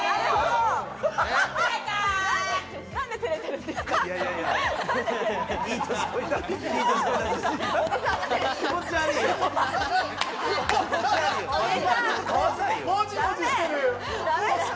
何で照れてるんですか？